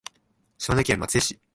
島根県松江市